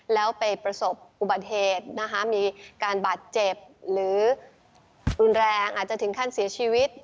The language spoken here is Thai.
แล้วไปประสบอุบัติเหตุนะคะมีการบาดเจ็บหรือรุนแรงอาจจะถึงขั้นเสียชีวิต